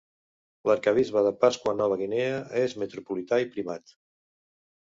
L'arquebisbe de Papua Nova Guinea és metropolità i primat.